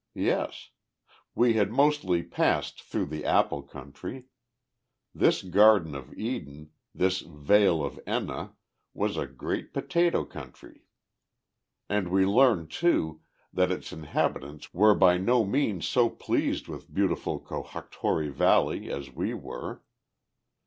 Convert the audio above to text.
Yes! we had mostly passed through the apple country. This garden of Eden, this Vale of Enna, was a great potato country. And we learned, too, that its inhabitants were by no means so pleased with beautiful Cohoctori Valley as we were.